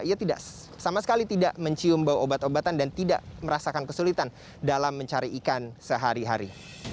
ia tidak sama sekali tidak mencium bau obat obatan dan tidak merasakan kesulitan dalam mencari ikan sehari hari